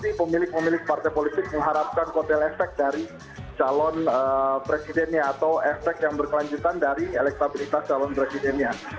ini pemilik pemilik partai politik mengharapkan kotel efek dari calon presidennya atau efek yang berkelanjutan dari elektabilitas calon presidennya